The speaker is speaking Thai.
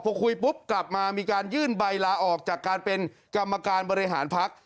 พอคุยปุ๊บกลับมามีการยื่นใบลาออกจากการเป็นกรรมการบริหารพัก